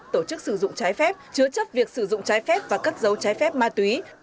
trái phép chứa chấp việc sử dụng trái phép và cất giấu trái phép ma túy